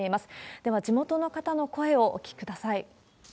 では、地元の方の声をお聞きください。